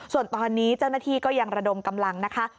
ส่วนตอนนี้เจ้าหน้าที่ก็ยังระดมกำลังนะคะ